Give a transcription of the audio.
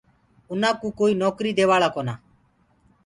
اُنآ ڪو ڪوئيٚ نوڪريٚ ديوآ لآ ڪونآ۔